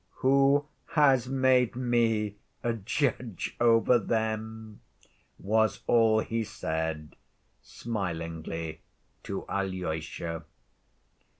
"Who has made me a judge over them?" was all he said, smilingly, to Alyosha.